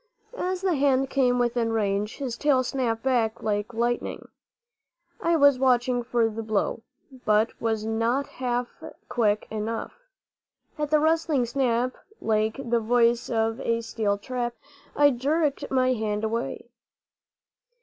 As the hand came within range, his tail snapped back like lightning. I was watching for the blow, but was not half quick enough. At the rustling snap, like the voice of a steel trap, I jerked my hand away.